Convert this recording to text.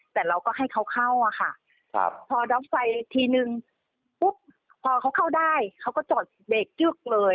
แต่เราก็ให้เขาเข้าอะค่ะพอด๊อกไฟทีนึงปุ๊บพอเขาเข้าได้เขาก็จอดเบรกยึกเลย